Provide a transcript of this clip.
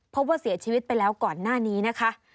พบว่าเสียชีวิตไปแล้วก่อนหน้านี้นะคะ